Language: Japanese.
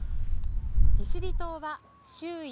利尻島は周囲